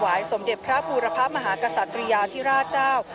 สมเด็จพระบูรพะมหากษัตริยาธิราชเจ้า